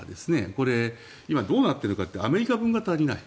これ、今どうなっているかってアメリカ分が足りない。